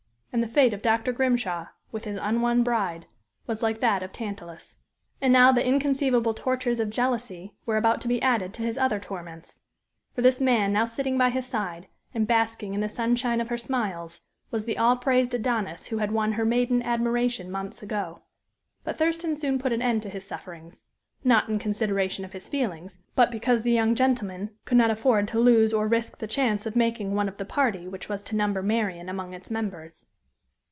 And the fate of Dr. Grimshaw, with his unwon bride, was like that of Tantalus. And now the inconceivable tortures of jealousy were about to be added to his other torments, for this man now sitting by his side, and basking in the sunshine of her smiles, was the all praised Adonis who had won her maiden admiration months ago. But Thurston soon put an end to his sufferings not in consideration of his feelings, but because the young gentleman could not afford to lose or risk the chance of making one of the party which was to number Marian among its members.